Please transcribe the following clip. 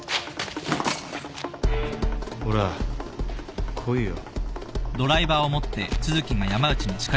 ほら来いよ。